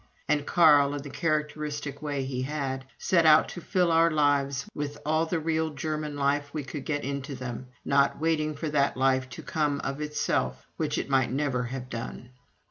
And Carl, in the characteristic way he had, set out to fill our lives with all the real German life we could get into them, not waiting for that life to come of itself which it might never have done.